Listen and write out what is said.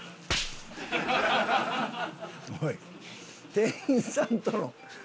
店員さんとのなあ？